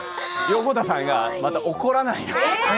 横田さんがまた怒らないの。